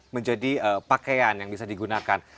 menjadi pakaian yang bisa digunakan